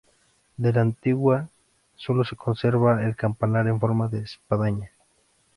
De la antigua sólo se conserva el campanar en forma de espadaña.